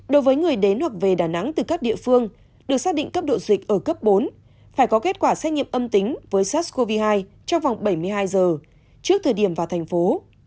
đối với người đến hoặc về đà nẵng từ các địa phương được xác định cấp độ dịch ở cấp bốn phải có kết quả xét nghiệm âm tính với sars cov hai trong vòng bảy mươi hai giờ trước thời điểm vào thành phố